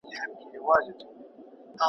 که دا وطن وای د مېړنیو ,